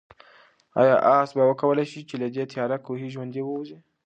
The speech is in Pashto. آیا آس به وکولای شي چې له دې تیاره کوهي ژوندی ووځي؟